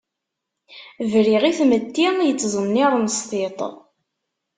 Briɣ i tmetti yettẓenniren s tiṭ.